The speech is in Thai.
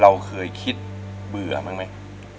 เราเคยคิดเบื่อบ้างไหม